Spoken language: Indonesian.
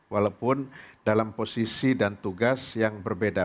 walaupun dalam posisi dan tugas yang berbeda